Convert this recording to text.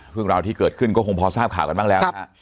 เรื่องราวที่เกิดขึ้นก็คงพอทราบข่าวกันบ้างแล้วนะฮะ